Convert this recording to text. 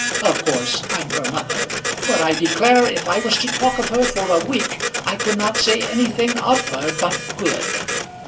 Of course I'm her mother; but I declare, if I was to talk of her for a week, I could not say anything of her but good."